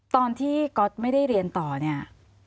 ตอนที่ก๊อตไม่ได้เรียนต่อเนี่ย